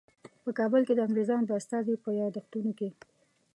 په کابل کې د انګریزانو د استازي په یادښتونو کې.